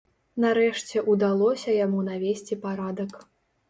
Нарэшце ўдалося яму навесці парадак.